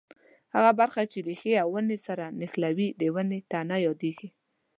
هغه برخه چې ریښې او څانګې سره نښلوي د ونې تنه یادیږي.